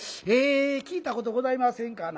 聞いたことございませんかな